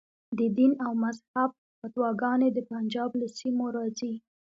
د دین او مذهب فتواګانې د پنجاب له سیمو راځي.